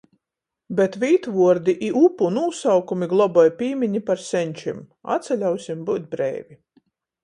Bet vītvuordi i upu nūsaukumi globoj pīmini par senčim... Atsaļausim byut breivi...